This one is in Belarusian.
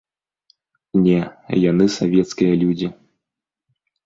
Не, яны савецкія людзі.